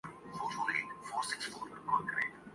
اسلامی روایات سے محبت ہے